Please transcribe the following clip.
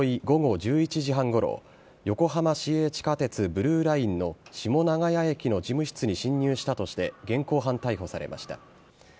午後１１時半ごろ横浜市営地下鉄ブルーラインの下永谷駅の事務室に侵入したとして現行犯逮捕されました。